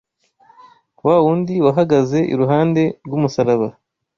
wa wundi wahagaze iruhande rw’umusaraba